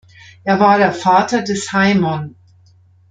Er war der Vater des Haimon.